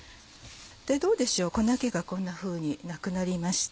どうでしょう粉気がこんなふうになくなりました。